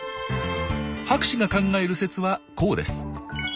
博士が考える説はこうです。